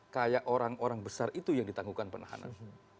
kayak orang orang besar itu yang ditangguhkan penahanan